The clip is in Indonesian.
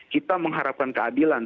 kita mengharapkan keadilan